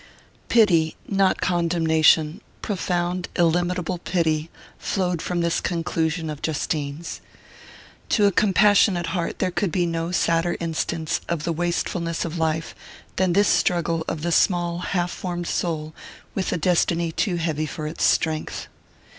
Pity, not condemnation profound illimitable pity flowed from this conclusion of Justine's. To a compassionate heart there could be no sadder instance of the wastefulness of life than this struggle of the small half formed soul with a destiny too heavy for its strength.